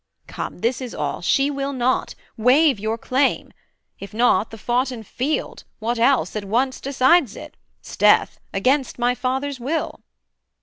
Come, this is all; she will not: waive your claim: If not, the foughten field, what else, at once Decides it, 'sdeath! against my father's will.'